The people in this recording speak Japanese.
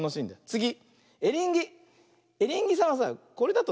つぎ！